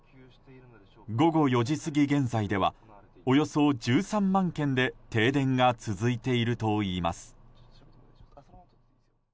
午後４時過ぎ現在ではおよそ１３万軒で停電が続いているとみられます。